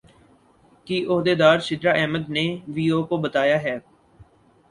کی عہدیدار سدرا احمد نے وی او کو بتایا ہے